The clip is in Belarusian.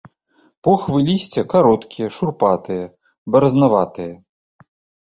Похвы лісця кароткія, шурпатыя, баразнаватыя.